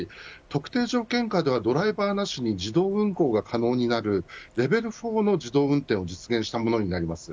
特定条件下ではドライバーなしに自動運行が可能になるレベル４の自動運転を実現したものになります。